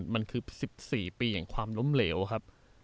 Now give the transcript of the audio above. มันคือ๑๔ปีแห่งความล้มเหลวครับ